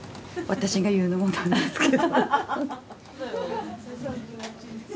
私が言うのもなんですけど。